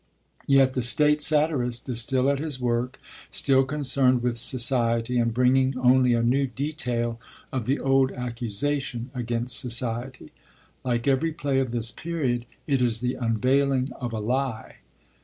Yet the 'state satirist' is still at his work, still concerned with society and bringing only a new detail of the old accusation against society. Like every play of this period, it is the unveiling of a lie.